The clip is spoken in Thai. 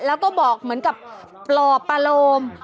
แล้วก็บอกเหมือนกับปลอบประโลม